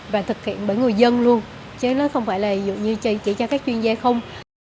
và thực hiện bởi người dân luôn chứ nó không phải là dụ như chỉ cho các chuyên gia không